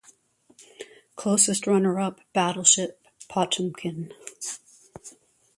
Closest runner-up: "Battleship Potemkin".